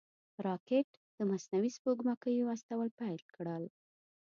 راکټ د مصنوعي سپوږمکیو استول پیل کړل